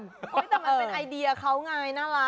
แต่มันเป็นไอเดียเขาไงน่ารัก